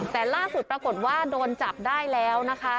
แต่ล่าสุดปรากฏว่าโดนจับได้แล้วนะคะ